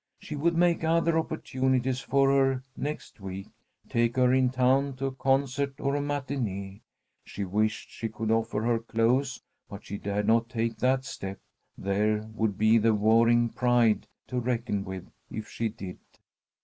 She would make other opportunities for her next week, take her in town to a concert or a matinée. She wished she could offer her clothes, but she dared not take that step. There would be the Waring pride to reckon with if she did.